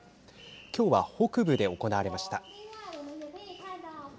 きょうは北部で行われました。